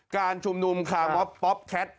การชุมนุมคาร์มอฟป๊อปแคท